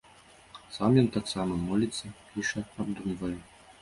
Сам ён таксама моліцца, піша, абдумвае.